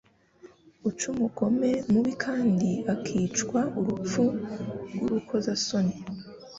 uc'umugome mubi kandi akicwa urupfu rw'urukozasoni.